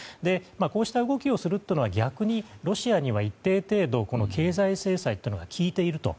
こうした動きをするというのは逆にロシアに一定程度、経済制裁が効いていると。